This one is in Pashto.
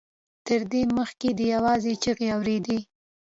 تر دې مخکې ده يوازې چيغې اورېدې.